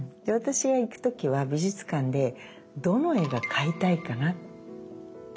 で私が行く時は美術館でどの絵が買いたいかなって考えてます。